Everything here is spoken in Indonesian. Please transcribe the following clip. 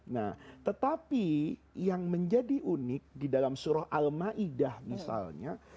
nah tetapi yang menjadi unik di dalam surah al ma'idah misalnya